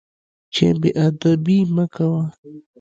چې بې ادبي مه کوه.